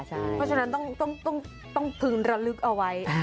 เพราะฉะนั้นต้องพึงระลึกเอาไว้